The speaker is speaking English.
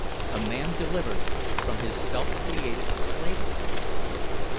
A man delivered from his self created slavery!